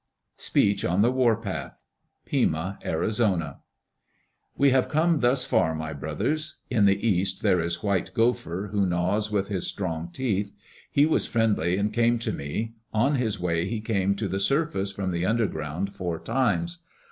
Speech on the Warpath Pima (Arizona) We have come thus far, my brothers. In the east there is White Gopher, who gnaws with his strong teeth. He was friendly and came to me. On his way he came to the surface from the underground four times.